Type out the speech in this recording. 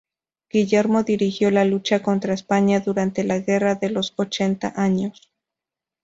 Guillermo dirigió la lucha contra España durante la Guerra de los Ochenta Años.